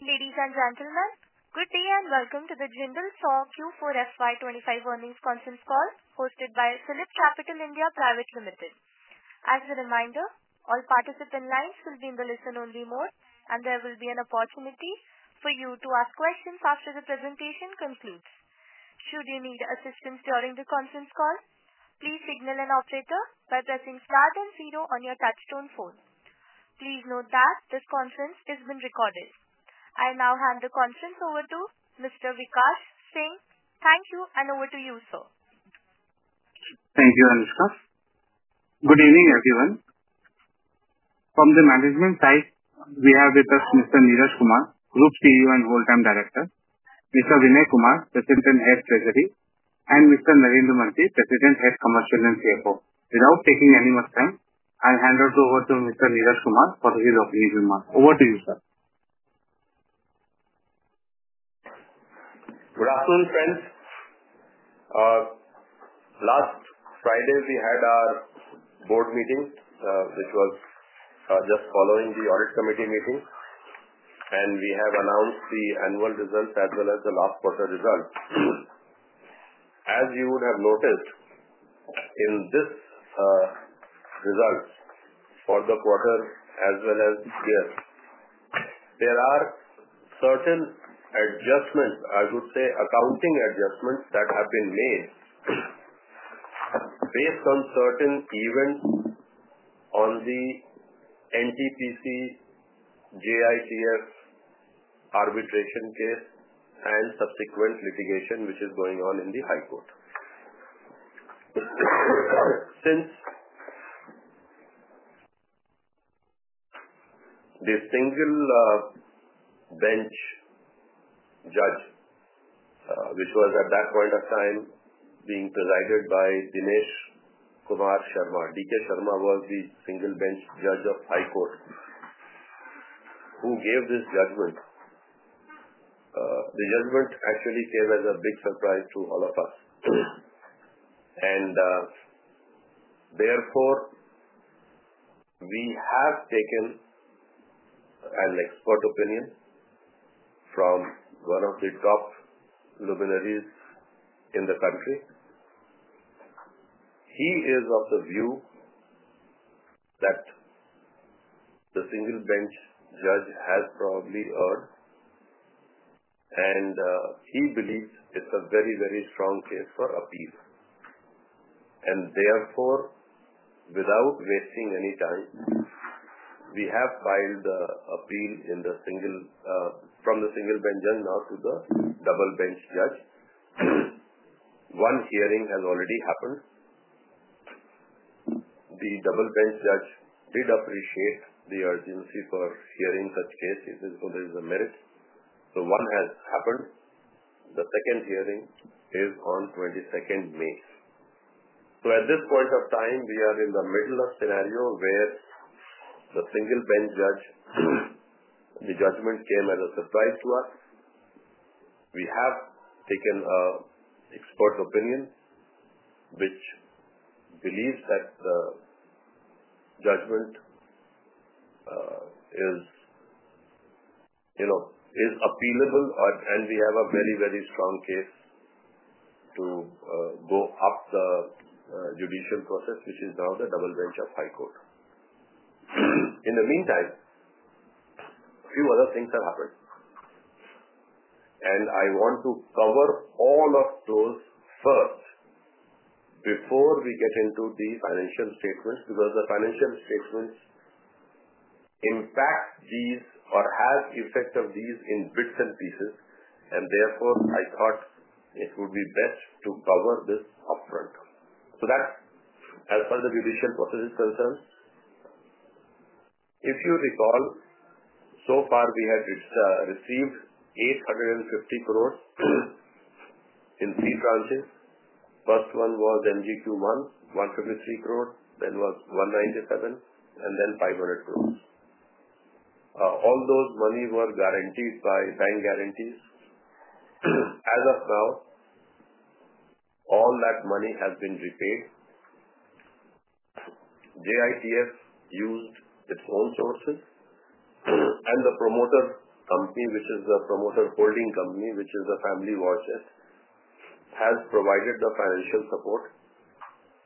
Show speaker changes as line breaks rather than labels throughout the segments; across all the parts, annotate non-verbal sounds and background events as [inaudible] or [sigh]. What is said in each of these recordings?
Ladies and gentlemen, good day and welcome to the Jindal Saw Q4FY25 earnings conference call hosted by Phillip Capital India Private Limited. As a reminder, all participant lines will be in the listen-only mode, and there will be an opportunity for you to ask questions after the presentation concludes. Should you need assistance during the conference call, please signal an operator by pressing star and zero on your touch-tone phone. Please note that this conference is being recorded. I now hand the conference over to Mr. Vikash Singh. Thank you, and over to you, sir.
Thank you, Anushka. Good evening, everyone. From the management side, we have with us Mr. Neeraj Kumar, Group CEO and Whole Time Director, Mr. Vinay Kumar, President and Head Treasury, and Mr. Narendra Mantri, President, Head Commercial, and CFO. Without taking any more time, I'll hand it over to Mr. Neeraj Kumar for his opinion remark. Over to you, sir.
Good afternoon, friends. Last Friday, we had our board meeting, which was just following the Audit Committee Meeting, and we have announced the annual results as well as the last quarter results. As you would have noticed, in these results for the quarter as well as year, there are certain adjustments, I would say accounting adjustments, that have been made based on certain events on the NTPC, JITF arbitration case and subsequent litigation, which is going on in the High Court. Since the Single Bench judge, which was at that point of time being presided by Dinesh Kumar Sharma, D.K. Sharma was the Single Bench judge of High Court, who gave this judgment, the judgment actually came as a big surprise to all of us. Therefore, we have taken an expert opinion from one of the top luminaries in the country. He is of the view that the Single Bench judge has probably heard, and he believes it's a very, very strong case for appeal. Therefore, without wasting any time, we have filed the appeal from the Single Bench judge now to the Double Bench judge. One hearing has already happened. The Double Bench judge did appreciate the urgency for hearing such cases because there is a merit. One has happened. The second hearing is on 22nd May. At this point of time, we are in the middle of a scenario where the Single Bench judge, the judgment came as a surprise to us. We have taken an expert opinion, which believes that the judgment is appealable, and we have a very, very strong case to go up the judicial process, which is now the Double Bench of High Court. In the meantime, a few other things have happened, and I want to cover all of those first before we get into the financial statements because the financial statements impact these or have effect on these in bits and pieces, and therefore, I thought it would be best to cover this upfront. That is as far as the judicial process is concerned. If you recall, so far we had received 850 crores in three tranches. First one was MGQ1, 153 crores, then was 197 crores, and then 500 crores. All those money were guaranteed by bank guarantees. As of now, all that money has been repaid. JITF used its own sources, and the promoter company, which is the promoter holding company, which is the family war chest, has provided the financial support,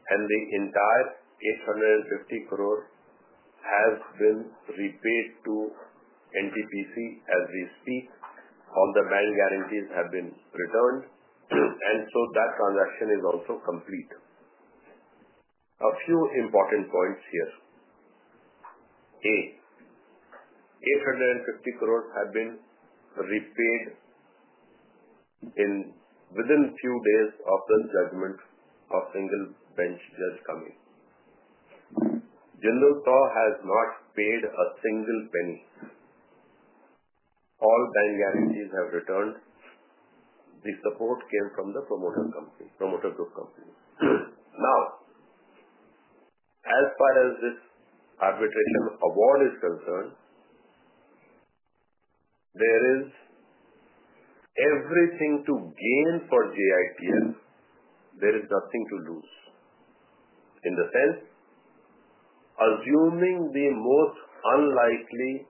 and the entire 850 crores has been repaid to NTPC as we speak. All the bank guarantees have been returned, and so that transaction is also complete. A few important points here. A, 850 crores have been repaid within a few days of the judgment of Single Bench judge coming. Jindal Saw has not paid a single penny. All bank guarantees have returned. The support came from the promoter group companies. Now, as far as this arbitration award is concerned, there is everything to gain for JITF. There is nothing to lose. In the sense, assuming the most unlikely,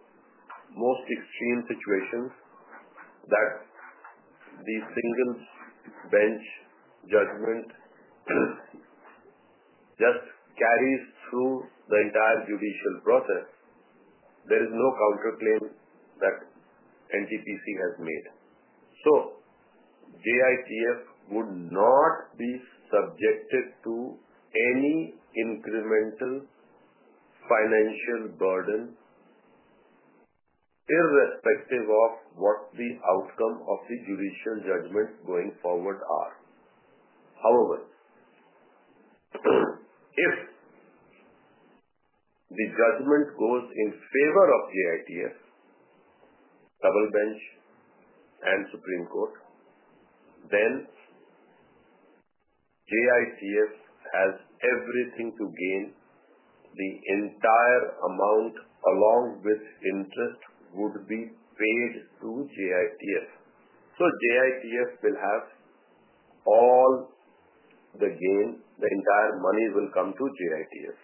most extreme situation that the Single Bench judgment just carries through the entire judicial process, there is no counterclaim that NTPC has made. JITF would not be subjected to any incremental financial burden irrespective of what the outcome of the judicial judgments going forward are. However, if the judgment goes in favor of JITF, double bench, and Supreme Court, then JITF has everything to gain. The entire amount along with interest would be paid to JITF. JITF will have all the gain. The entire money will come to JITF.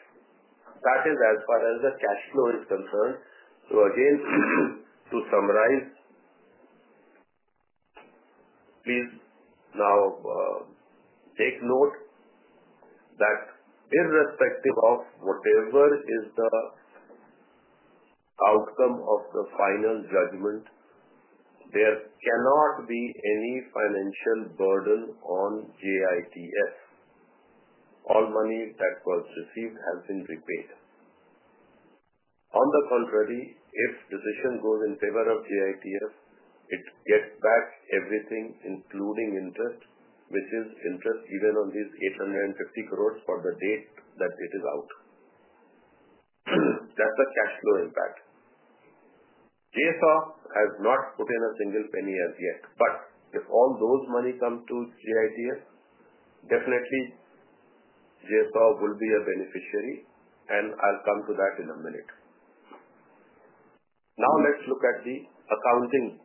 That is as far as the cash flow is concerned. Again, to summarize, please now take note that irrespective of whatever is the outcome of the final judgment, there cannot be any financial burden on JITF. All money that was received has been repaid. On the contrary, if decision goes in favor of JITF, it gets back everything including interest, which is interest given on these 850 crores for the date that it is out. That is the cash flow impact. JSAW has not put in a single penny as yet, but if all those money come to JITF, definitely JSAW will be a beneficiary, and I'll come to that in a minute. Now let's look at the accounting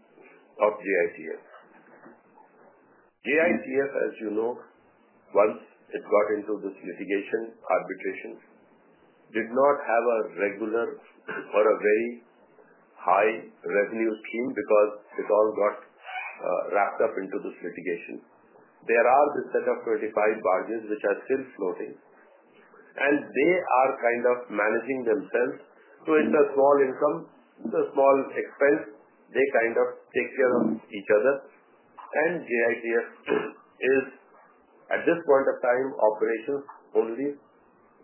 of JITF. JITF, as you know, once it got into this litigation arbitration, did not have a regular or a very high revenue stream because it all got wrapped up into this litigation. There are this set of 25 barges which are still floating, and they are kind of managing themselves. So it's a small income, a small expense. They kind of take care of each other, and JITF is at this point of time operations only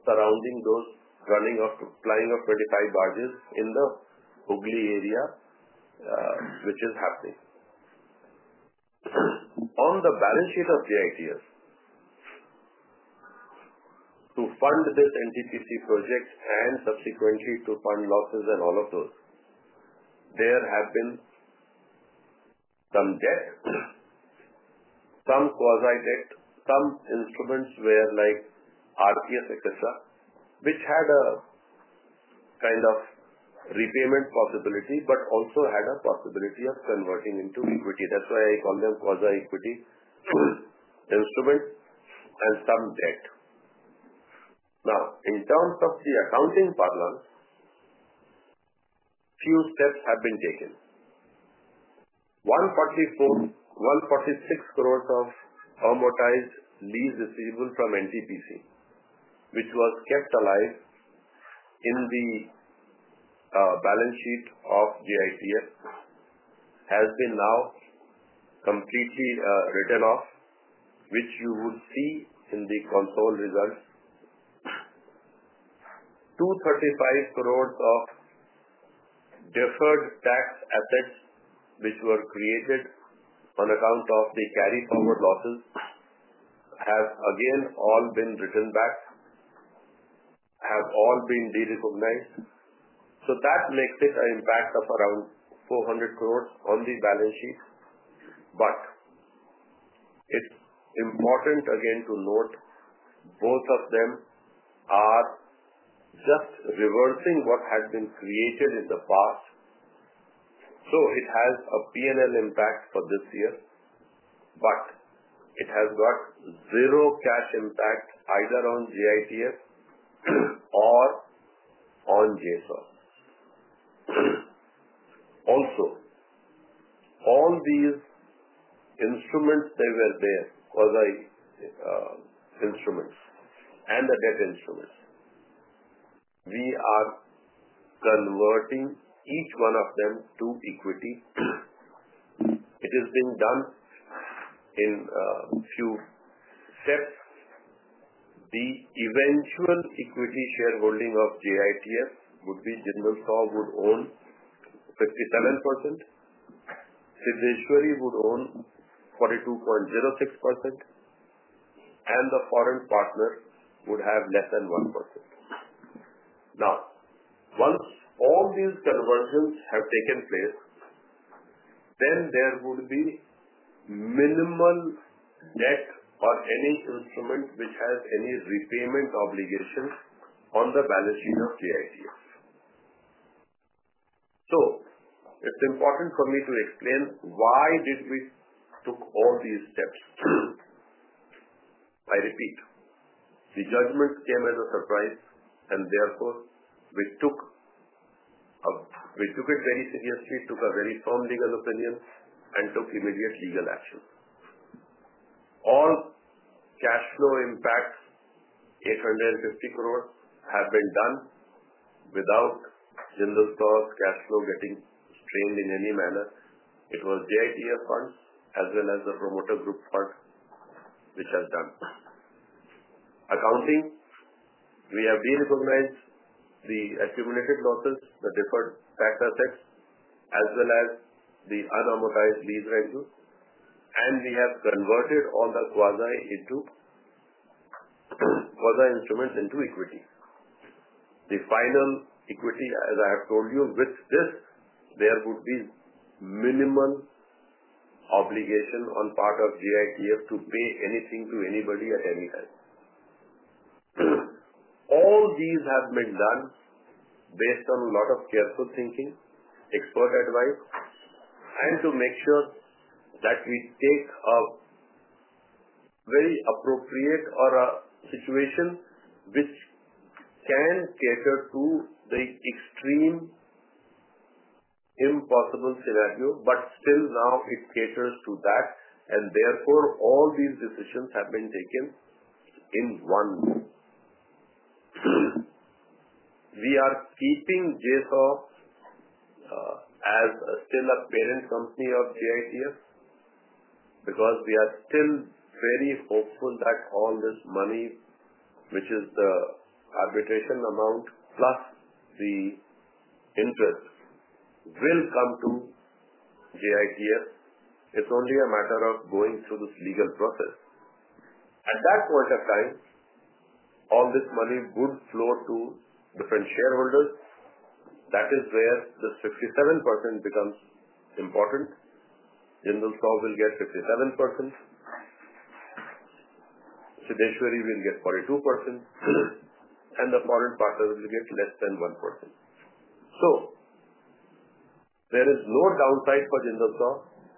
surrounding those flying of 25 barges in the Hooghly area, which is happening. On the balance sheet of JITF, to fund this NTPC project and subsequently to fund losses and all of those, there have been some debt, some quasi-debt, some instruments where like RPS, etc., which had a kind of repayment possibility but also had a possibility of converting into equity. That's why I call them quasi-equity instruments and some debt. Now, in terms of the accounting parlance, a few steps have been taken. 146 crores of amortized lease receivable from NTPC, which was kept alive in the balance sheet of JITF, has been now completely written off, which you would see in the console results. 235 crores of deferred tax assets, which were created on account of the carry-forward losses, have again all been written back, have all been derecognized. That makes it an impact of around 400 crores on the balance sheet. It is important again to note both of them are just reversing what had been created in the past. It has a P&L impact for this year, but it has got zero cash impact either on JITF or on Jindal Saw. Also, all these instruments that were there, quasi-instruments and the debt instruments, we are converting each one of them to equity. It is being done in a few steps. The eventual equity shareholding of JITF would be Jindal Saw would own 57%, Siddheshwari would own 42.06%, and the foreign partner would have less than 1%. Once all these conversions have taken place, there would be minimal debt or any instrument which has any repayment obligation on the balance sheet of JITF. It is important for me to explain why we took all these steps. I repeat, the judgment came as a surprise, and therefore we took it very seriously, took a very firm legal opinion, and took immediate legal action. All cash flow impacts, 850 crores, have been done without Jindal Saw's cash flow getting strained in any manner. It was JITF funds as well as the promoter group fund which has done. Accounting, we have derecognized the accumulated losses, the deferred tax assets, as well as the unamortized lease revenue, and we have converted all the quasi-instruments into equity. The final equity, as I have told you, with this, there would be minimal obligation on part of JITF to pay anything to anybody at any time. All these have been done based on a lot of careful thinking, expert advice, and to make sure that we take a very appropriate situation which can cater to the extreme impossible scenario, but still now it caters to that, and therefore all these decisions have been taken in one move. We are keeping JSAW as still a parent company of JITF because we are still very hopeful that all this money, which is the arbitration amount plus the interest, will come to JITF. It's only a matter of going through this legal process. At that point of time, all this money would flow to different shareholders. That is where this 57% becomes important. Jindal Saw will get 57%, Siddheshwari will get 42%, and the foreign partner will get less than 1%. There is no downside for Jindal Saw,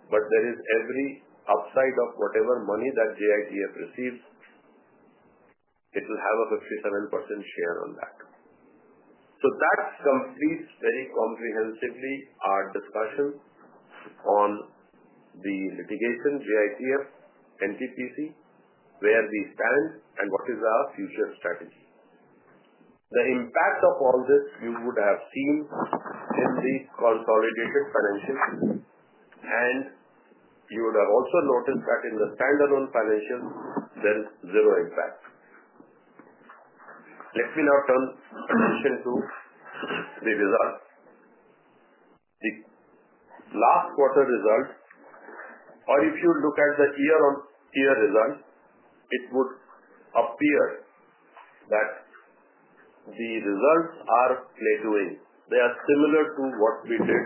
but there is every upside of whatever money that JITF receives, it will have a 57% share on that. That completes very comprehensively our discussion on the litigation, JITF, NTPC, where we stand, and what is our future strategy. The impact of all this you would have seen in the consolidated financials, and you would have also noticed that in the standalone financials, there is zero impact. Let me now turn attention to the results. The last quarter results, or if you look at the year-on-year results, it would appear that the results are plateauing. They are similar to what we did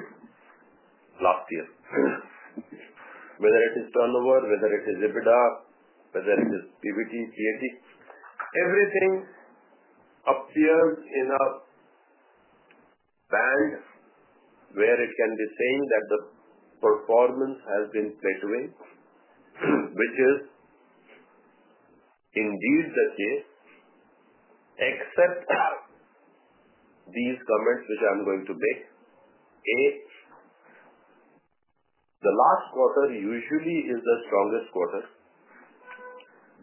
last year. Whether it is turnover, whether it is EBITDA, whether it is PBT, PAT, everything appears in a band where it can be seen that the performance has been plateauing, which is indeed the case. Except these comments which I'm going to make. A, the last quarter usually is the strongest quarter.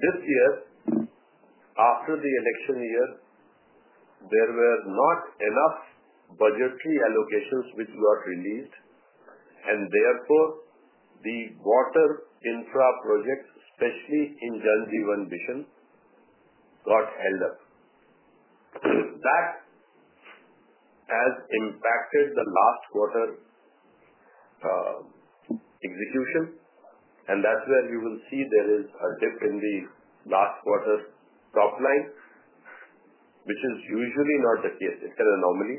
This year, after the election year, there were not enough budgetary allocations which got released, and therefore the water infra projects, especially in Jal Jeevan Mission, got held up. That has impacted the last quarter execution, and that's where you will see there is a dip in the last quarter top line, which is usually not the case. It's an anomaly.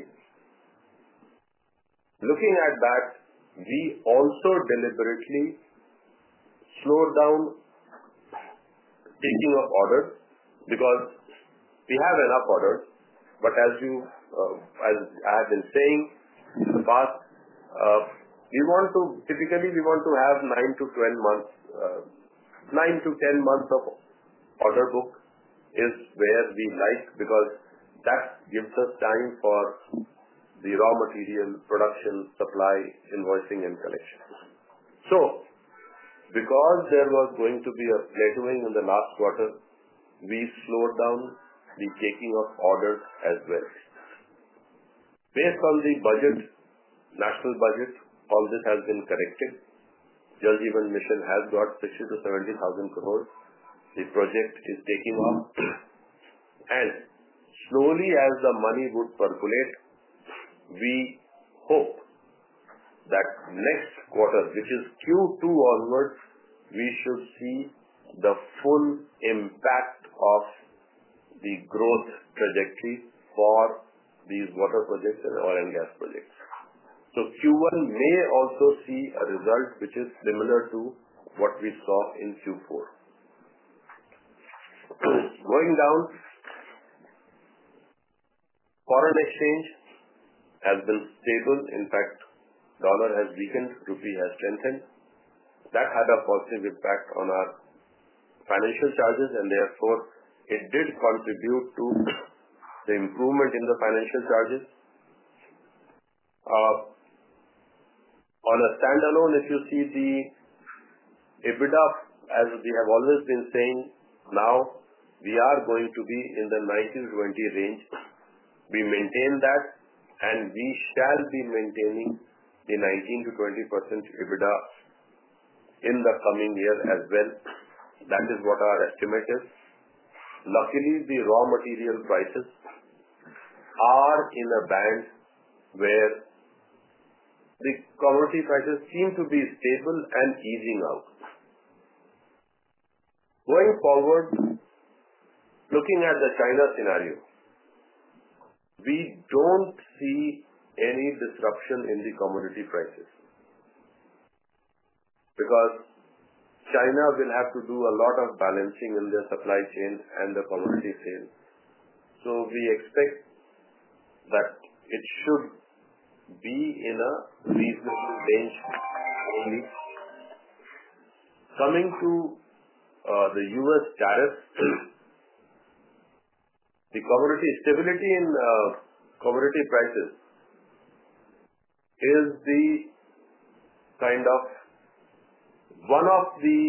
Looking at that, we also deliberately slowed down taking of orders because we have enough orders, but as I have been saying in the past, typically we want to have 9-10 months of order book is where we like because that gives us time for the raw material production, supply, invoicing, and collection. Because there was going to be a plateauing in the last quarter, we slowed down the taking of orders as well. Based on the national budget, all this has been corrected. Jal Jeevan Mission has got 60,000-70,000 crore. The project is taking off, and slowly as the money would percolate, we hope that next quarter, which is Q2 onwards, we should see the full impact of the growth trajectory for these water projects and oil and gas projects. Q1 may also see a result which is similar to what we saw in Q4. Going down, foreign exchange has been stable. In fact, the dollar has weakened, the rupee has strengthened. That had a positive impact on our financial charges, and therefore it did contribute to the improvement in the financial charges. On a standalone, if you see the EBITDA, as we have always been saying, now we are going to be in the 19%-20% range. We maintain that, and we shall be maintaining the 19%-20% EBITDA in the coming year as well. That is what our estimate is. Luckily, the raw material prices are in a band where the commodity prices seem to be stable and easing out. Going forward, looking at the China scenario, we do not see any disruption in the commodity prices because China will have to do a lot of balancing in their supply chain and the commodity sales. We expect that it should be in a reasonable range only. Coming to the U.S. tariffs, the commodity stability in commodity prices is the kind of one of the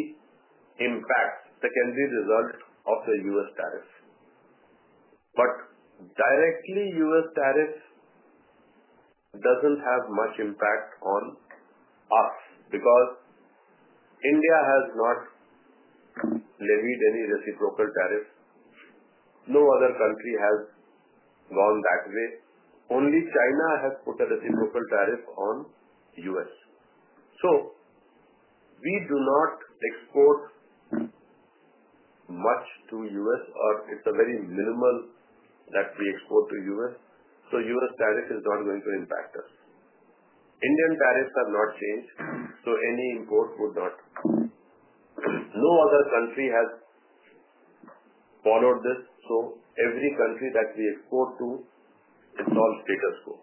impacts that can be result of the U.S. tariffs. Directly, U.S. tariffs do not have much impact on us because India has not levied any reciprocal tariffs. No other country has gone that way. Only China has put a reciprocal tariff on the U.S. We do not export much to the U.S., or it is very minimal that we export to the U.S., U.S. tariff is not going to impact us. Indian tariffs have not changed, so any import would not. No other country has followed this, so every country that we export to is all status quo.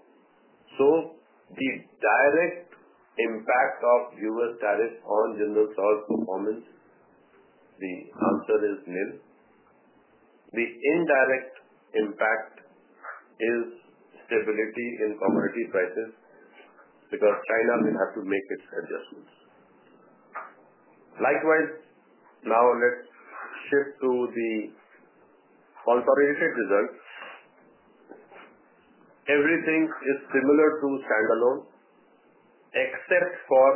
The direct impact of U.S. tariffs on Jindal Saw's performance, the answer is nil. The indirect impact is stability in commodity prices because China will have to make its adjustments. Likewise, now let's shift to the consolidated results. Everything is similar to standalone, except for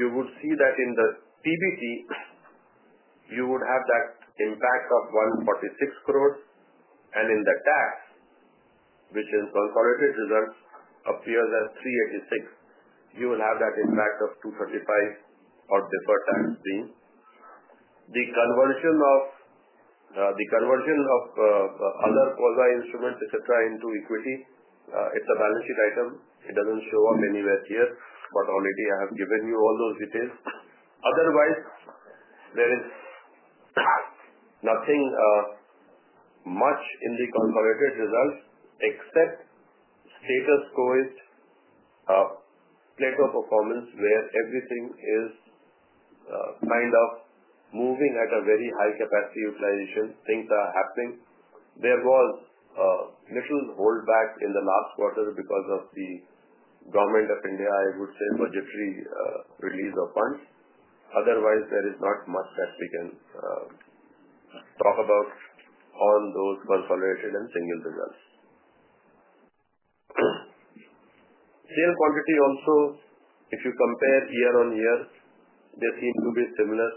you would see that in the PBT, you would have that impact of 146 crores, and in the tax, which in consolidated results appears as 386 crores, you will have that impact of 235 crores of deferred tax being. The conversion of other quasi-instruments, etc., into equity, it's a balance sheet item. It doesn't show up anywhere here, but already I have given you all those details. Otherwise, there is nothing much in the consolidated results except status quo plateau performance where everything is kind of moving at a very high capacity utilization. Things are happening. There was a little holdback in the last quarter because of the government of India, I would say, budgetary release of funds. Otherwise, there is not much that we can talk about on those consolidated and single results. Sale quantity also, if you compare year-on-year, they seem to be similar.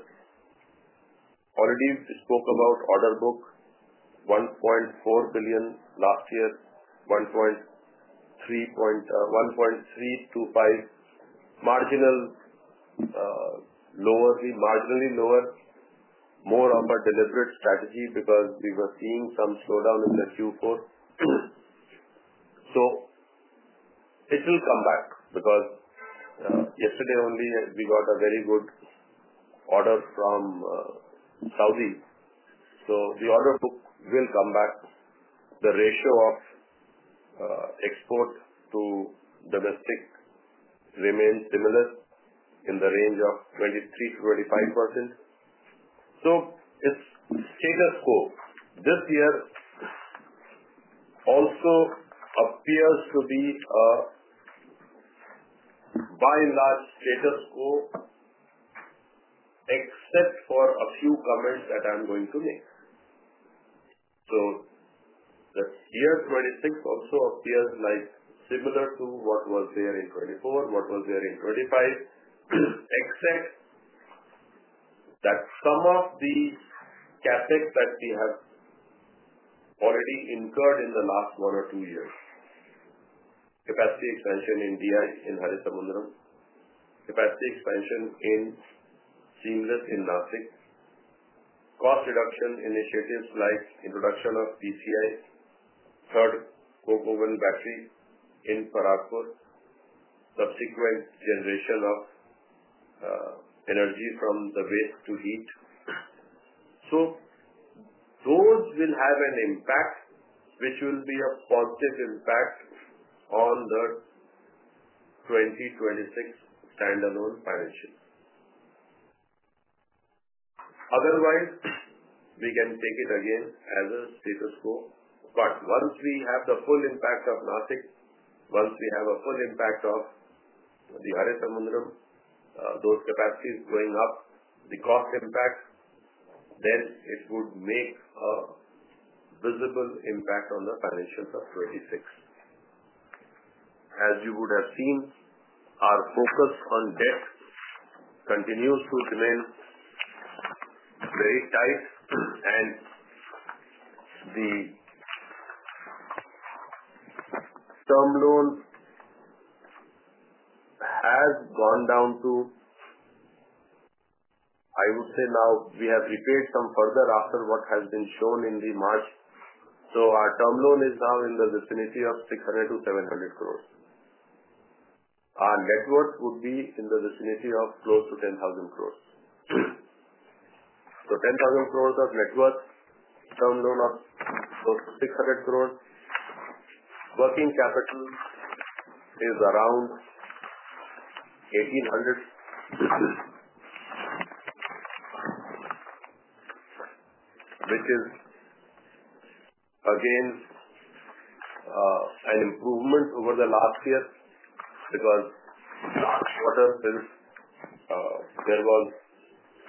Already spoke about order book, $1.4 billion last year, $1.325 billion, marginally lower, more of a deliberate strategy because we were seeing some slowdown in Q4. It will come back because yesterday only we got a very good order from Saudi Arabia. The order book will come back. The ratio of export to domestic remains similar in the range of 23%-25%. It is status quo. This year also appears to be a by-and-large status quo, except for a few comments that I'm going to make. The year 2026 also appears similar to what was there in 2024, what was there in 2025, except that some of the CapEx that we have already incurred in the last one or two years. Capacity expansion in DI in Haresamudram, capacity expansion in seamless in Nashik, cost reduction initiatives like introduction of PCI, third coke oven battery in Pragpur, subsequent generation of energy from the waste to heat. Those will have an impact, which will be a positive impact on the 2026 standalone financials. Otherwise, we can take it again as a status quo. Once we have the full impact of Nashik, once we have a full impact of the Haresamudram, those capacities going up, the cost impact, then it would make a visible impact on the financials of 2026. As you would have seen, our focus on debt continues to remain very tight, and the term loan has gone down to, I would say now we have repaid some further after what has been shown in the March. Our term loan is now in the vicinity of 600-700 crores. Our net worth would be in the vicinity of close to 10,000 crores. 10,000 crores of net worth, term loan of close to 600 crores. Working capital is around INR 1,800 crores, which is again an improvement over last year because last quarter there was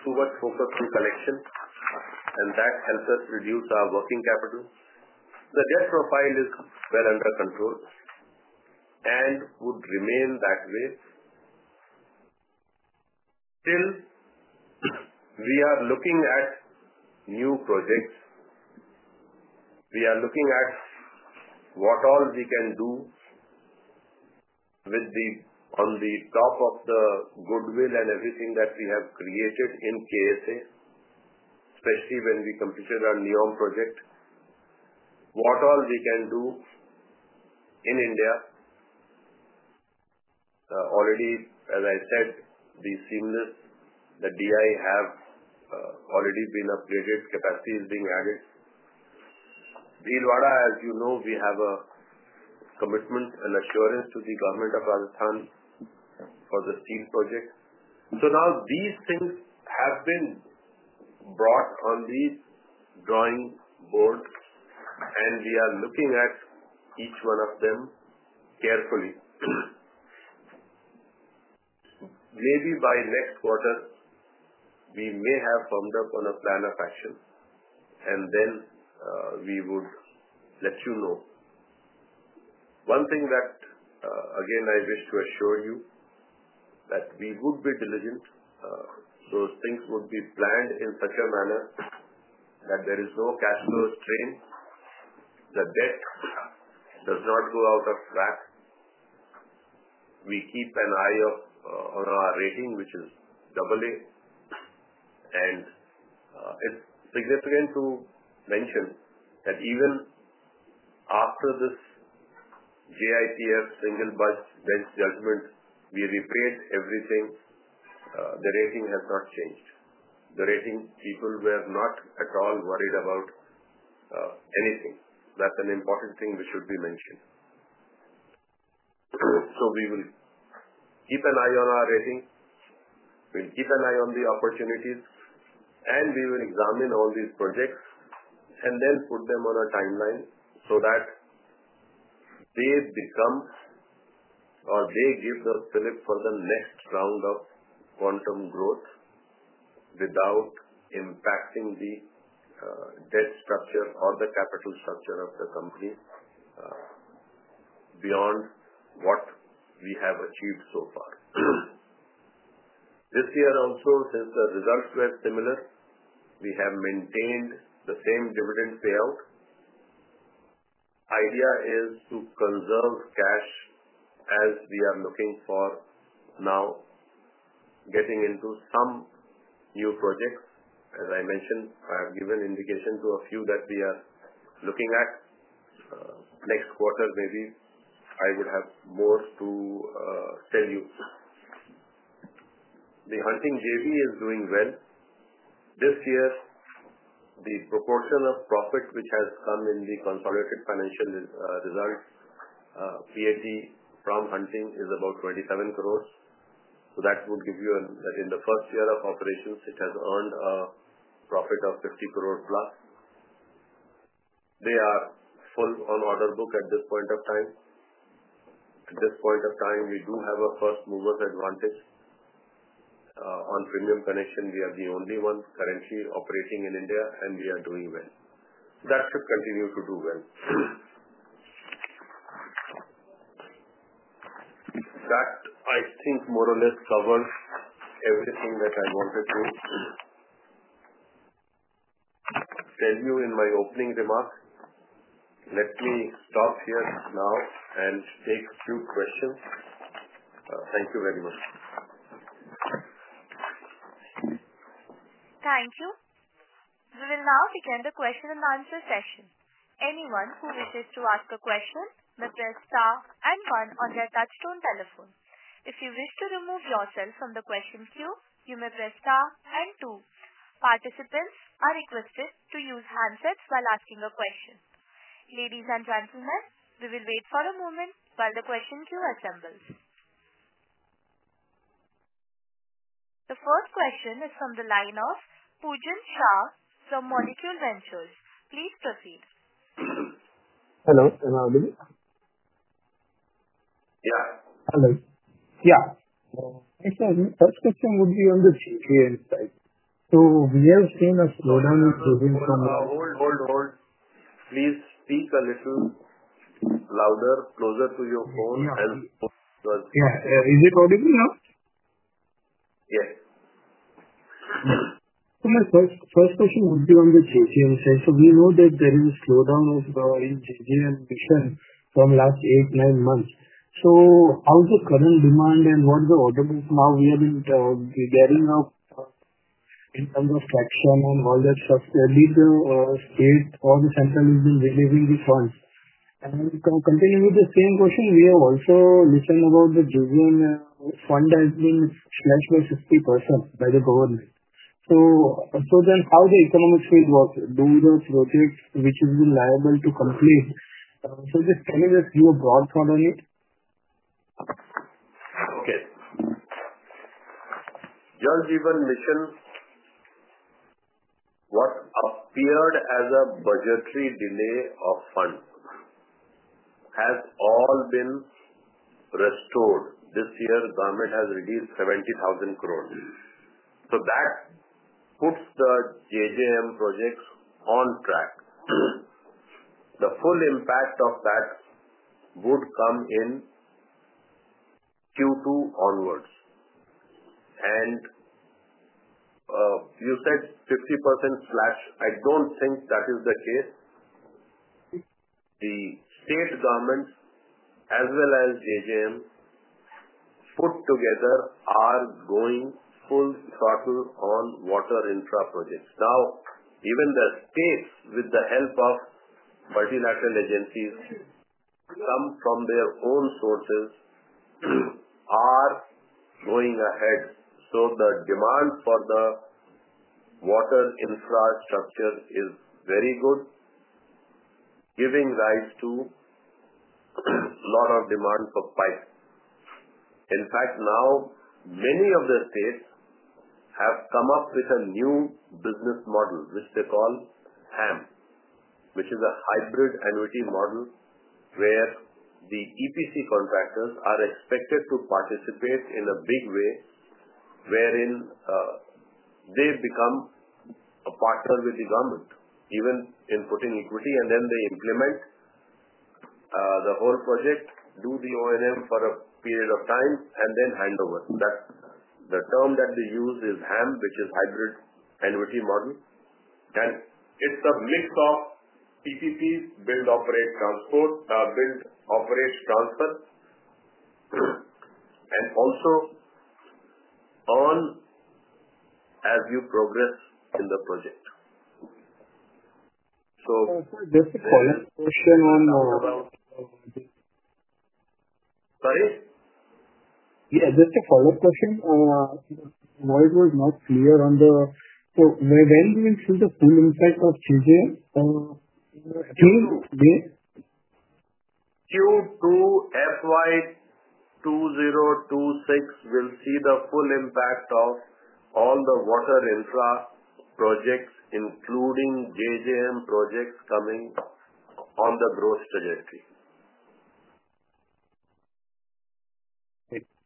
too much focus on collection, and that helped us reduce our working capital. The debt profile is well under control and would remain that way till we are looking at new projects. We are looking at what all we can do on top of the goodwill and everything that we have created in KSA, especially when we completed our NEOM project, what all we can do in India. Already, as I said, the seamless, the DI have already been upgraded, capacity is being added. Bhilwara, as you know, we have a commitment and assurance to the government of Rajasthan for the steel project. These things have been brought on the drawing board, and we are looking at each one of them carefully. Maybe by next quarter, we may have firmed up on a plan of action, and then we would let you know. One thing that again I wish to assure you is that we would be diligent. Those things would be planned in such a manner that there is no cash flow strain. The debt does not go out of track. We keep an eye on our rating, which is AA, and it is significant to mention that even after this JITF Single Bench judgment, we repaid everything, the rating has not changed. The rating people were not at all worried about anything. That is an important thing which should be mentioned. We will keep an eye on our rating, we'll keep an eye on the opportunities, and we will examine all these projects and then put them on a timeline so that they become or they give the flip for the next round of quantum growth without impacting the debt structure or the capital structure of the company beyond what we have achieved so far. This year also, since the results were similar, we have maintained the same dividend payout. The idea is to conserve cash as we are looking for now getting into some new projects. As I mentioned, I have given indication to a few that we are looking at. Next quarter, maybe I would have more to tell you. The Hunting JV is doing well. This year, the proportion of profit which has come in the consolidated financial results, PAT from Hunting is about 27 crores. That would give you that in the first year of operations, it has earned a profit of 50 crores plus. They are full on order book at this point of time. At this point of time, we do have a first mover's advantage. On premium connection, we are the only one currently operating in India, and we are doing well. That should continue to do well. That I think more or less covers everything that I wanted to tell you in my opening remark. Let me stop here now and take a few questions. Thank you very much.
Thank you. We will now begin the question and answer session. Anyone who wishes to ask a question may press star and one on their touch-tone telephone. If you wish to remove yourself from the question queue, you may press star and two. Participants are requested to use handsets while asking a question. Ladies and gentlemen, we will wait for a moment while the question queue assembles. The first question is from the line of Pujan Shah from Molecule Ventures. Please proceed.
Hello. Can I hear you?
Yeah.
Hello. Yeah. Actually, the first question would be on the Jal Jeevan Mission side. We have seen a slowdown [crosstalk] in Jal Jeevan Mission from the last eight, nine months. How is the current demand and what is the order book now? We have been getting up in terms of traction and all that stuff. Did the state or the central region release the funds? Continuing with the same question, we have also listened about the Jal Jeevan fund has been slashed by 50% by the government. How will the economics work? Do the project which is liable to complete? Just tell us your broad thought on it?
Jal Jeevan Mission, what appeared as a budgetary delay of funds has all been restored. This year, government has released 70,000 crores. That puts the JJM projects on track. The full impact of that would come in Q2 onwards. You said 50% slash. I do not think that is the case. The state government, as well as JJM, put together are going full throttle on water infra projects. Now, even the states, with the help of multilateral agencies, some from their own sources, are going ahead. The demand for the water infrastructure is very good, giving rise to a lot of demand for pipe. In fact, now many of the states have come up with a new business model, which they call HAM, which is a hybrid annuity model where the EPC contractors are expected to participate in a big way, wherein they become a partner with the government, even in putting equity, and then they implement the whole project, do the O&M for a period of time, and then hand over. The term that they use is HAM, which is hybrid annuity model. It is a mix of PPP, build, operate, transfer, and also on as you progress in the project.
Just a follow-up question on the.
Sorry?
Yeah. Just a follow-up question. Voice was not clear on the so when do we feel the full impact of JJM?
[crosstalk] Q2 FY 2026 will see the full impact of all the water infra projects, including JJM projects coming on the growth trajectory.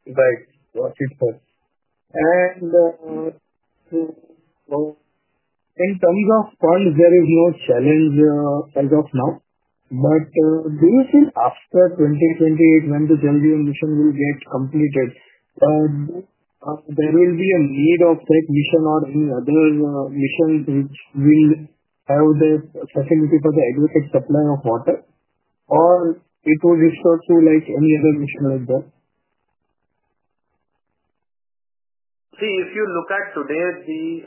Right. Got it. In terms of funds, there is no challenge as of now. Do you feel after 2028, when the JJM mission will get completed, there will be a need of that mission or any other mission which will have the facility for the adequate supply of water? Or it will restore to any other mission like that?
See, if you look at today, the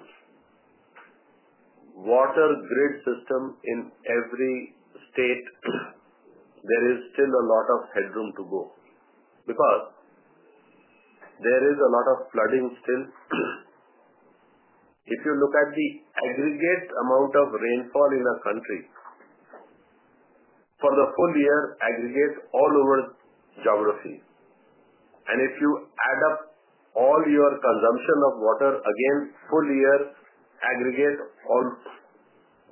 water grid system in every state, there is still a lot of headroom to go because there is a lot of flooding still. If you look at the aggregate amount of rainfall in a country for the full year aggregate all over geography, and if you add up all your consumption of water again, full year aggregate,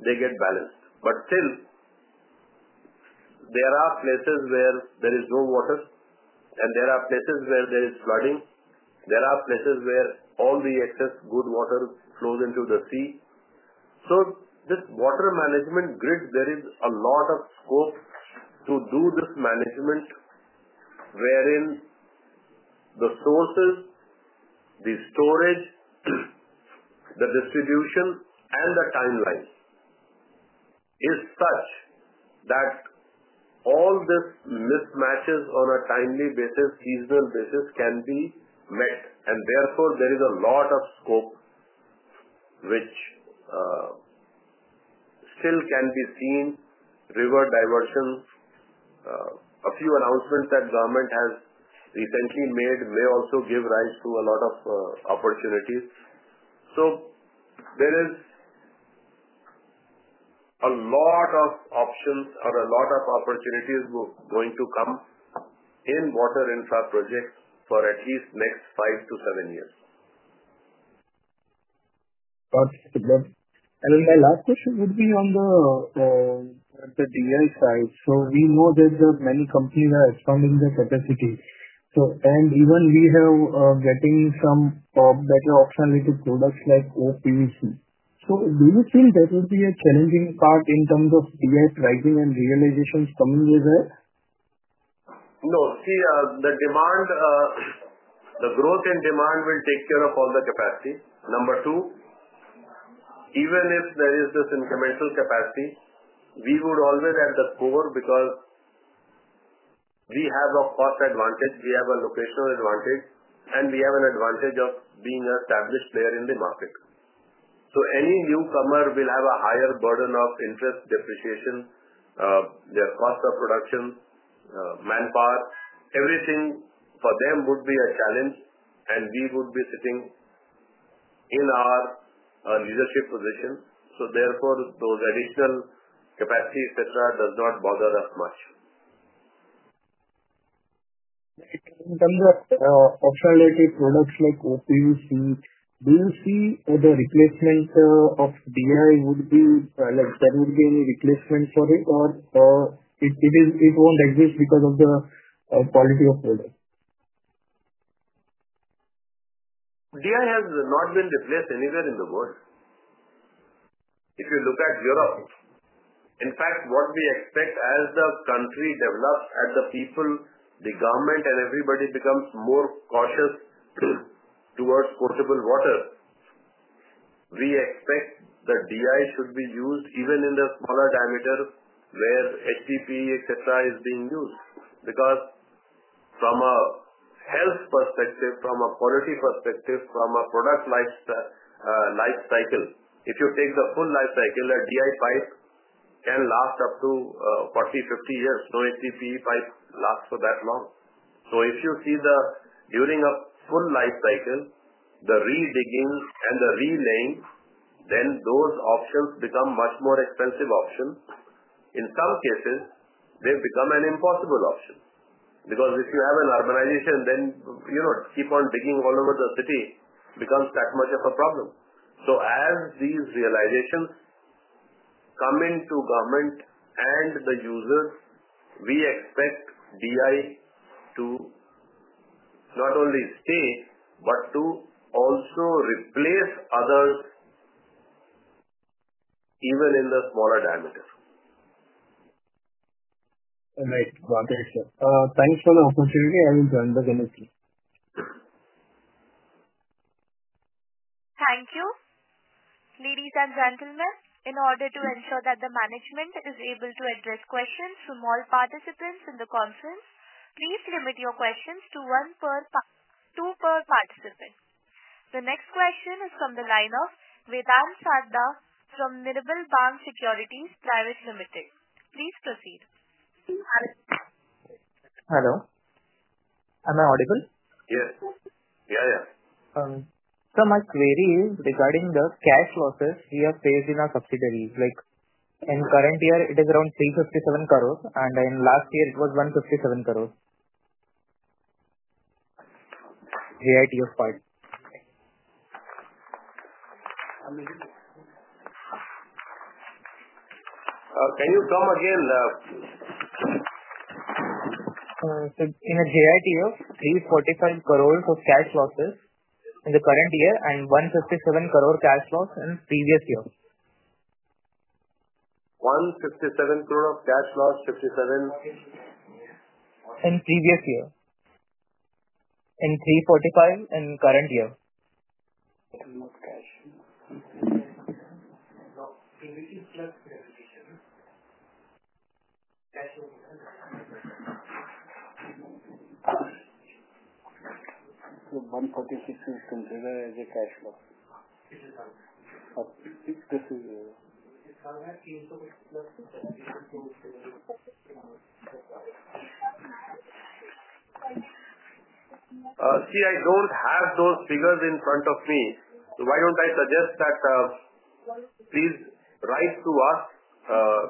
they get balanced. There are places where there is no water, and there are places where there is flooding. There are places where all the excess good water flows into the sea. This water management grid, there is a lot of scope to do this management, wherein the sources, the storage, the distribution, and the timeline is such that all this mismatches on a timely basis, seasonal basis can be met. Therefore, there is a lot of scope which still can be seen. River diversions, a few announcements that government has recently made may also give rise to a lot of opportunities. There are a lot of options or a lot of opportunities going to come in water infra projects for at least the next five to seven years.
Got it. My last question would be on the DI side. We know that many companies are expanding their capacity. Even we have getting some better optionality products like OPVC. Do you think that will be a challenging part in terms of DI pricing and realizations coming with that?
No. See, the growth in demand will take care of all the capacity. Number two, even if there is this incremental capacity, we would always add the core because we have a cost advantage. We have a locational advantage, and we have an advantage of being an established player in the market. Any newcomer will have a higher burden of interest depreciation. Their cost of production, manpower, everything for them would be a challenge, and we would be sitting in our leadership position. Therefore, those additional capacity, etc., does not bother us much.
In terms of optionality products like OPVC, do you see the replacement of DI would be there would be any replacement for it, or it won't exist because of the quality of product?
DI has not been replaced anywhere in the world. If you look at Europe, in fact, what we expect as the country develops and the people, the government, and everybody becomes more cautious towards potable water, we expect the DI should be used even in the smaller diameter where HDPE, etc., is being used. Because from a health perspective, from a quality perspective, from a product lifecycle, if you take the full lifecycle, a DI pipe can last up to 40, 50 years. No HDPE pipe lasts for that long. If you see during a full lifecycle, the re-digging and the relaying, then those options become much more expensive options. In some cases, they become an impossible option. Because if you have an urbanization, then keep on digging all over the city becomes that much of a problem. As these realizations come into government and the users, we expect DI to not only stay but to also replace others even in the smaller diameter.
Right. Got it. Thanks for the opportunity. [audio distortion]
Thank you. Ladies and gentlemen, in order to ensure that the management is able to address questions from all participants in the conference, please limit your questions to two per participant. The next question is from the line of Vedant Sarda from Nirmal Bang Securities Private Limited. Please proceed. Hello. Am I audible?
Yes. Yeah, yeah. My query is regarding the cash losses we have faced in our subsidiaries. In current year, it is around 357 crores, and in last year, it was 157 crores. JITF funds? Can you come again? In JITF, 345 crores of cash losses in the current year and 157 crore cash loss in previous year. 157 crore of cash loss, 57. In previous year. And INR 345 in current year. See, I do not have those figures in front of me. Why do I not suggest that you please write to us?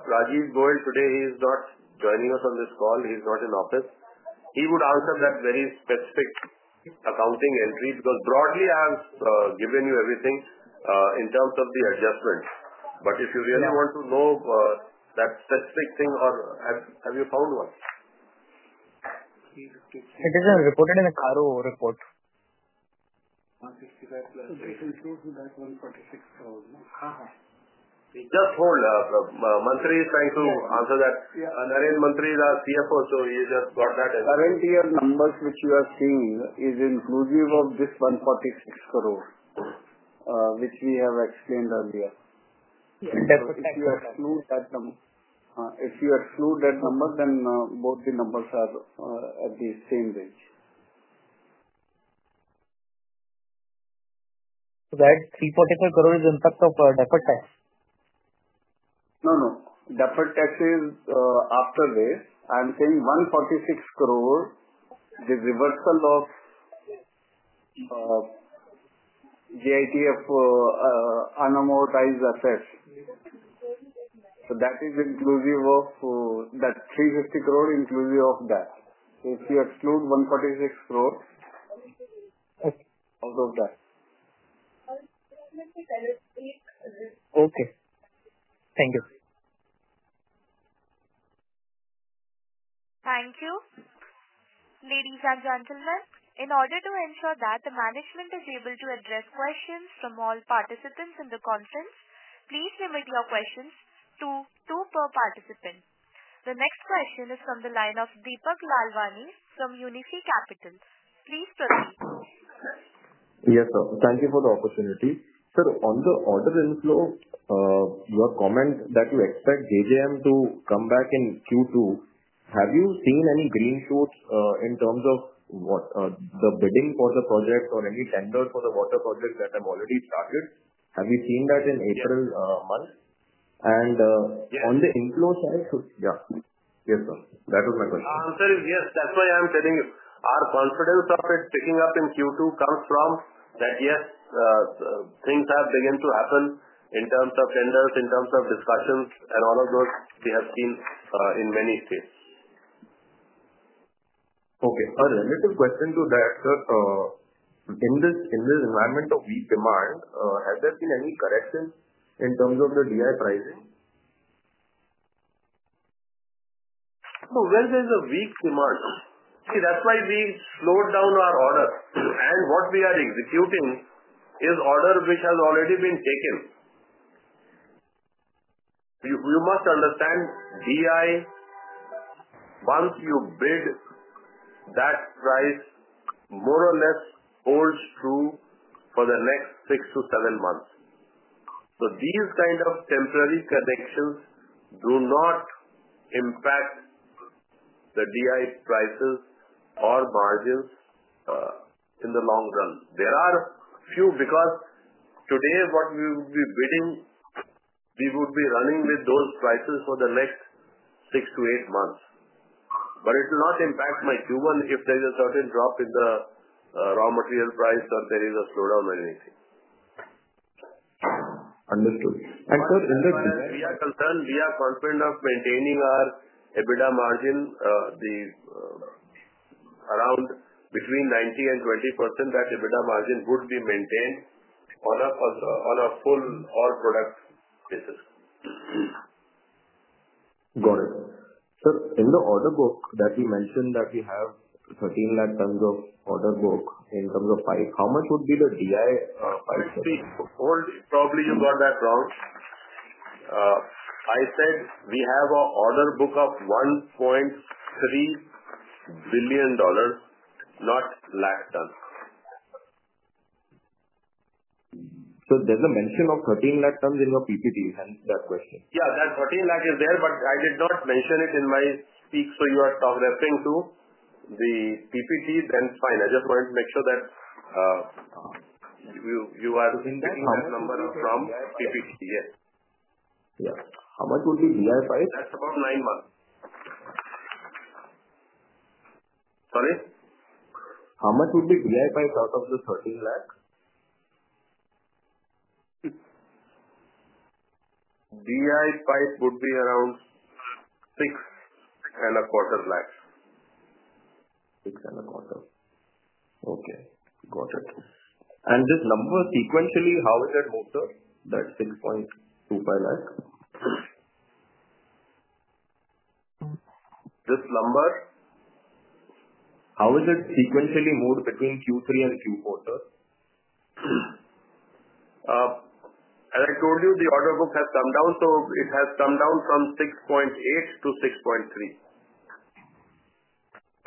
Rajeev Goyal, today he is not joining us on this call. He is not in office. He would answer that very specific accounting entry because broadly, I have given you everything in terms of the adjustment. But if you really want to know that specific thing, have you found one? It is reported in the Karo report. [audio distortion] Just hold. Mantri is trying to answer that. Narendra Mantri is our CFO, so he just got that.
Current year numbers which you are seeing is inclusive of this 146 crores, which we have explained earlier. [crosstalk] If you exclude that number, then both the numbers are at the same range. That INR 345 crore is in fact of deferred tax? No, no. Deferred tax is after this. I'm saying INR 146 crores, the reversal of JITF unamortized assets. That is inclusive of that, 350 crores inclusive of that. If you exclude 146 crores out of that. Okay. Thank you. Thank you.
Ladies and gentlemen, in order to ensure that the management is able to address questions from all participants in the conference, please limit your questions to two per participant. The next question is from the line of Deepak Lalwani from Unifi Capital. Please proceed.
Yes, sir. Thank you for the opportunity. Sir, on the order inflow, your comment that you expect JJM to come back in Q2, have you seen any green shoots in terms of the bidding for the project or any tender for the water project that have already started? Have you seen that in April month? On the inflow side, yeah. Yes, sir. That was my question.
Yes, that's why I'm telling you. Our confidence of it picking up in Q2 comes from that, yes, things have begun to happen in terms of tenders, in terms of discussions, and all of those we have seen in many states.
Okay. A relative question to that, sir. In this environment of weak demand, has there been any correction in terms of the DI pricing?
Where there is a weak demand, that's why we slowed down our order. What we are executing is order which has already been taken. You must understand, DI, once you bid that price, more or less holds true for the next six to seven months. These kind of temporary connections do not impact the DI prices or margins in the long run. There are few because today what we would be bidding, we would be running with those prices for the next six to eight months. It will not impact my Q1 if there is a certain drop in the raw material price or there is a slowdown or anything.
Understood. Sir,
we are concerned, we are confident of maintaining our EBITDA margin, around between 19% and 20%, that EBITDA margin would be maintained on a full all-product basis.
Got it. Sir, in the order book that you mentioned that we have 13 lakh tonnes of order book in terms of pipe, how much would be the DI pipe?
See, hold. Probably you got that wrong. I said we have an order book of $1.3 billion, not lakh tonnes.
There is a mention of 13 lakh tonnes in your PPT, hence that question.
Yeah, that 13 lakh is there, but I did not mention it in my speech, so you are referring to the PPT, then fine. I just wanted to make sure that you are getting that number from PPT, yes.
Yeah. How much would be DI pipe?
That is about nine months. Sorry?
How much would be DI pipe out of the 13 lakhs?
DI pipe would be around six and a quarter lakhs. Six and a quarter. Okay. Got it.
This number sequentially, how has it moved, sir? That 6.25 lakhs? This number, how has it sequentially moved between Q3 and Q4, sir?
As I told you, the order book has come down, so it has come down from 6.8 to 6.3.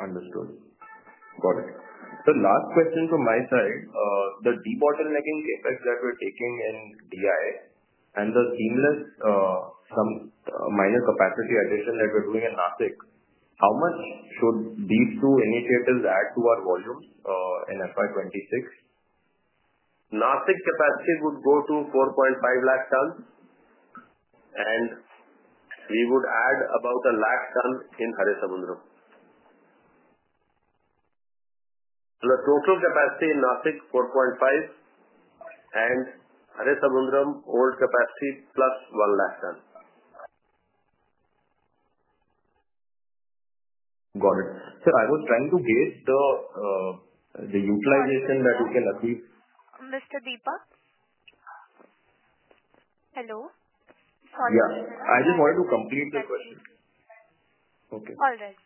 Understood. Got it. The last question from my side, the debottlenecking CapEx that we are taking in DI and the seamless minor capacity addition that we are doing in Nashik, how much should these two initiatives add to our volumes in FY2026?
Nashik capacity would go to 4.5 lakh tonnes, and we would add about 1 lakh tonne in Haresamudram. The total capacity in Nashik, 4.5, and Haresamudram old capacity plus 1 lakh ton.
Got it. Sir, I was trying to get the utilization that we can achieve.
Mr. Deepak? Hello? Sorry.
Yeah. I just wanted to complete the question. Okay.
All right.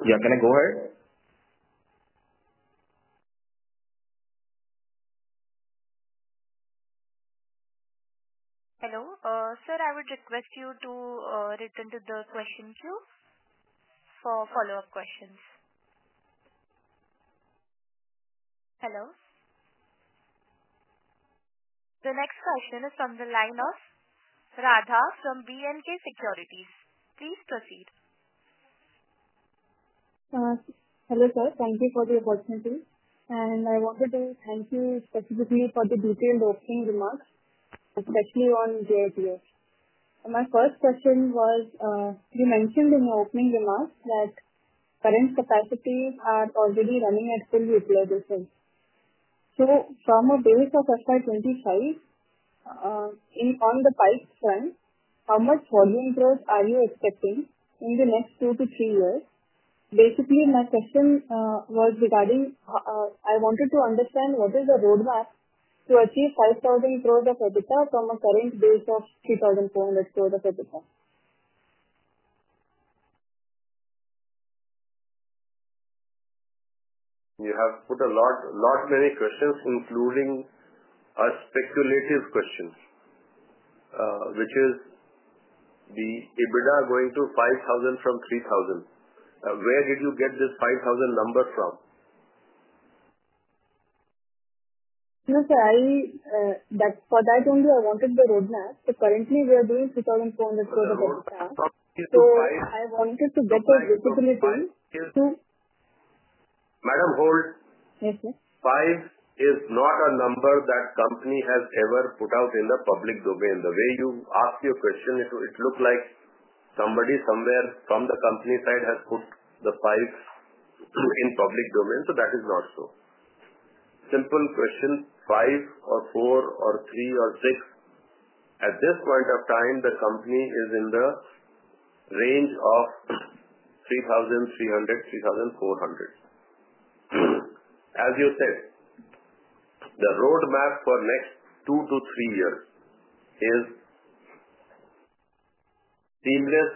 Yeah. Can I go ahead?
Hello. Sir, I would request you to return to the question queue for follow-up questions. Hello? The next question is from the line of Radha from B&K Securities. Please proceed.
Hello, sir. Thank you for the opportunity. I wanted to thank you specifically for the detailed opening remarks, especially on JITF. My first question was, you mentioned in your opening remarks that current capacities are already running at full utilization. From a base of FY2025, on the pipe front, how much volume growth are you expecting in the next two to three years? Basically, my question was regarding I wanted to understand what is the roadmap to achieve INR 5,000 crores of EBITDA from a current base of INR 3,400 crores of EBITDA?
You have put a lot many questions, including a speculative question, which is, the EBITDA going to 5,000 crores from 3,000 crores. Where did you get this 5,000 number from?
No, sir. For that only, I wanted the roadmap. Currently, we are doing 2,400 crores of EBITDA. I wanted to get a visibility to.
Madam, hold. Yes, sir. Pipe is not a number that company has ever put out in the public domain. The way you asked your question, it looked like somebody somewhere from the company side has put the pipes in public domain. That is not so. Simple question, five or four or three or six. At this point of time, the company is in the range of 3,300-3,400. As you said, the roadmap for next two to three years is seamless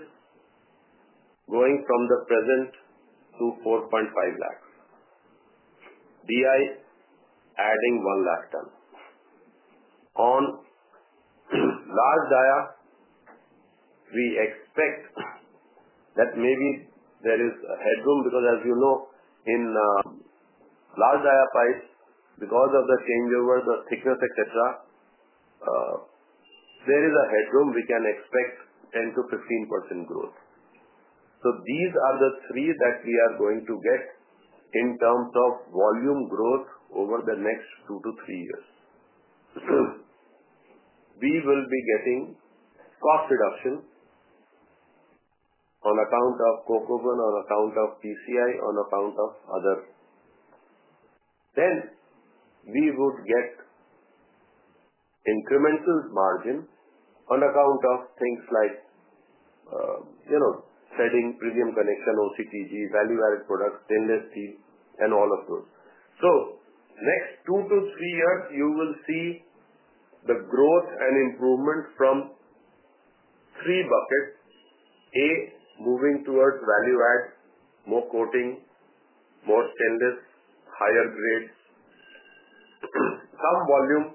going from the present to 4.5 lakhs. DI adding 1 lakh tonne. On large dial, we expect that maybe there is a headroom because, as you know, in large dial pipes, because of the changeover, the thickness, etc., there is a headroom. We can expect 10%-15% growth. These are the three that we are going to get in terms of volume growth over the next two to three years. We will be getting cost reduction on account of coke oven, on account of PCI, on account of other. We would get incremental margin on account of things like shedding premium connection, OCTG, value-added products, stainless steel, and all of those. Next two to three years, you will see the growth and improvement from three buckets: A, moving towards value-add, more coating, more stainless, higher grades, some volume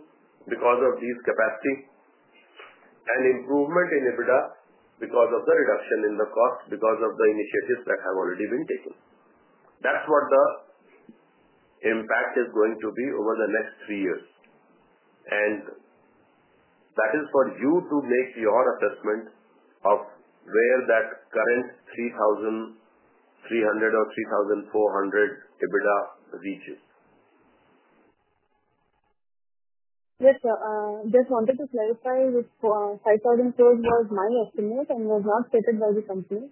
because of these capacity, and improvement in EBITDA because of the reduction in the cost because of the initiatives that have already been taken. That is what the impact is going to be over the next three years. That is for you to make your assessment of where that current 3,300 or 3,400 EBITDA reaches.
Yes, sir. Just wanted to clarify this 5,000 crores was my estimate and was not stated by the company.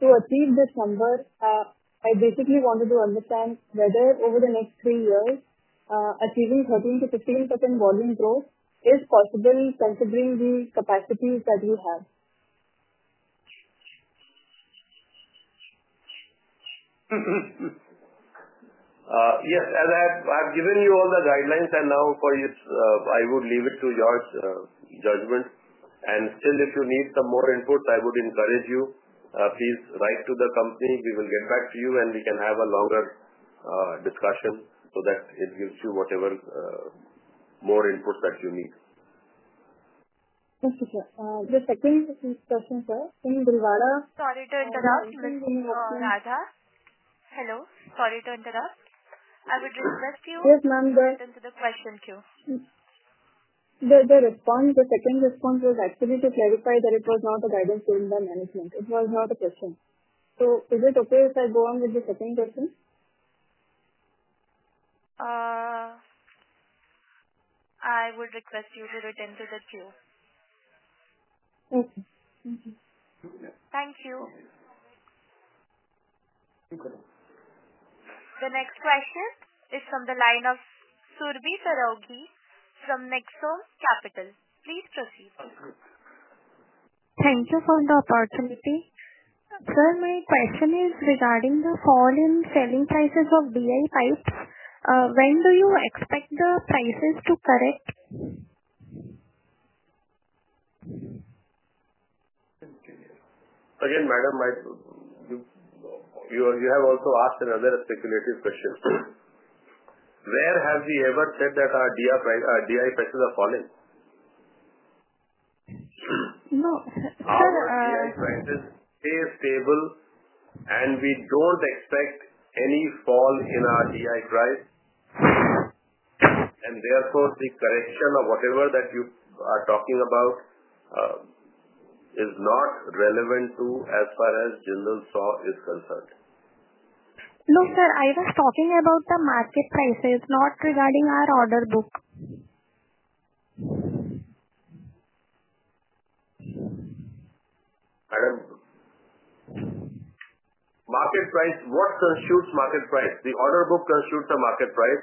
To achieve this number, I basically wanted to understand whether over the next three years, achieving 13%-15% volume growth is possible considering the capacities that we have.
Yes. I have given you all the guidelines. Now, I would leave it to your judgment. If you need some more input, I would encourage you, please write to the company. We will get back to you, and we can have a longer discussion so that it gives you whatever more input that you need.
Thank you, sir. Just a quick question, sir. [audio distortion]
Sorry to interrupt. Radha, hello? Sorry to interrupt. I would request you to return to the question queue.
The second response was actually to clarify that it was not a guidance given by management. It was not a question. Is it okay if I go on with the second question?
I would request you to return to the queue.
Okay.
Thank you. The next question is from the line of Surbhi Saraogi from Nexome Capital. Please proceed.
Thank you for the opportunity. Sir, my question is regarding the fall in selling prices of DI pipes. When do you expect the prices to correct?
Again, madam, you have also asked another speculative question. Where have we ever said that our DI prices are falling?
No. Sir.
Our DI prices stay stable, and we don't expect any fall in our DI price. Therefore, the correction of whatever that you are talking about is not relevant to as far as Jindal Saw is concerned.
No, sir. I was talking about the market prices, not regarding our order book.
Madam, market price, what constitutes market price? The order book constitutes the market price.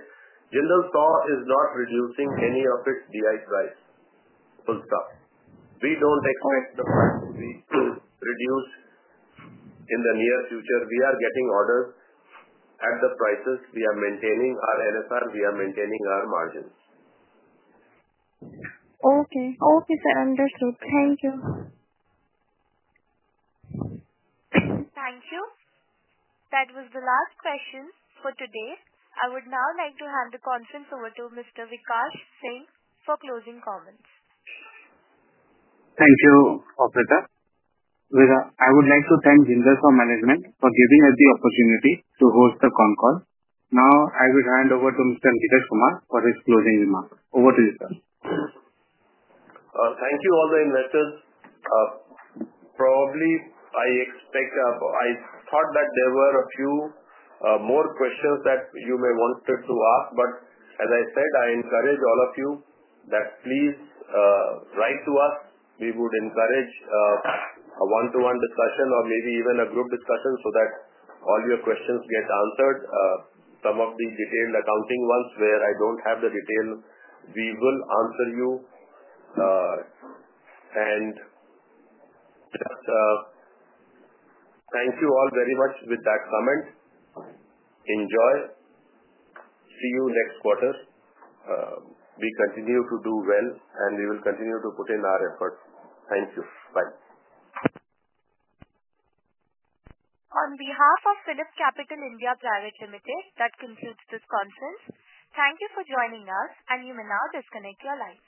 Jindal Saw is not reducing any of its DI price. Full stop. We don't expect the price to be reduced in the near future. We are getting orders at the prices. We are maintaining our NSR. We are maintaining our margins.
Okay. Okay, sir. Understood. Thank you.
Thank you. That was the last question for today. I would now like to hand the conference over to Mr. Vikash Singh for closing comments.
Thank you, Operator. I would like to thank Jindal Saw Management for giving us the opportunity to host the con call. Now, I will hand over to Mr. Neeraj Kumar for his closing remark. Over to you, sir.
Thank you, all the investors. Probably I thought that there were a few more questions that you may wanted to ask. As I said, I encourage all of you that please write to us. We would encourage a one-to-one discussion or maybe even a group discussion so that all your questions get answered. Some of the detailed accounting ones where I do not have the detail, we will answer you. Thank you all very much with that comment. Enjoy. See you next quarter. We continue to do well, and we will continue to put in our efforts. Thank you. Bye.
On behalf of Phillip Capital India Private Limited, that concludes this conference. Thank you for joining us, and you may now disconnect your line.